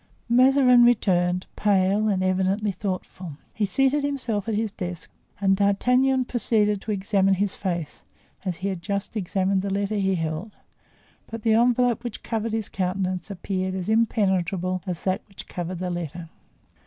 Mazarin returned, pale, and evidently thoughtful. He seated himself at his desk and D'Artagnan proceeded to examine his face, as he had just examined the letter he held, but the envelope which covered his countenance appeared as impenetrable as that which covered the letter.